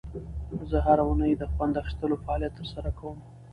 زه هره اونۍ د خوند اخیستلو فعالیت ترسره کوم.